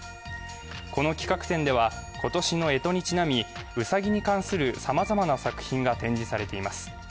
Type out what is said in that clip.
この企画展では今年のえとにちなみ、うさぎに関するさまざまな作品が展示されています。